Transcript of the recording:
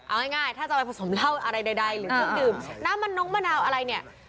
เอาง่ายถ้าจะไปผสมเหล้าอะไรใดหรือเครื่องดื่มน้ำมันน้องมะนาวอะไรเนี่ย